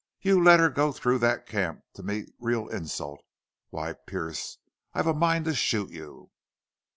You let her go through that camp to meet real insult!... Why ! Pearce, I've a mind to shoot you!"